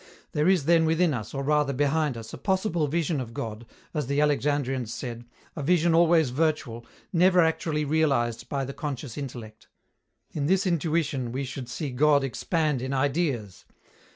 There is then within us, or rather behind us, a possible vision of God, as the Alexandrians said, a vision always virtual, never actually realized by the conscious intellect. In this intuition we should see God expand in Ideas.